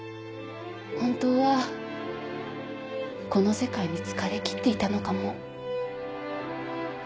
本当はこの世界に疲れ切っていたのかも。